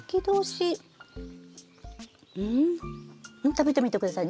食べてみて下さい。